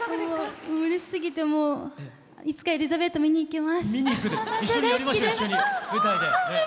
うれしすぎていつか「エリザベート」見に行きます。